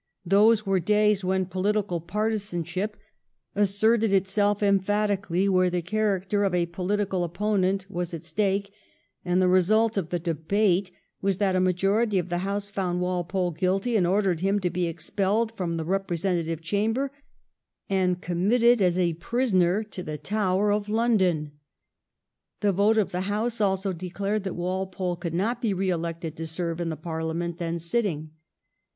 Those were days when political partisanship asserted itself emphatically where the character of a political opponent was at stake; and the result of the debate was that a majority of the House found Walpole guilty and ordered him to be expelled from the representative chamber and committed as a prisoner to the Tower of London. The vote of the House also declared that Walpole could not be re elected to serve in the Parliament then sitting.